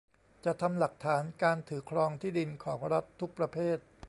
จัดทำหลักฐานการถือครองที่ดินของรัฐทุกประเภท